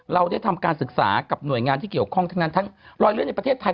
เราได้ทำการศึกษากับหน่วยงานที่เกี่ยวข้องทั้งนั้นทั้งรอยเลือดในประเทศไทย